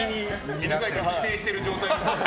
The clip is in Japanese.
犬飼君に寄生してる状態ですよ。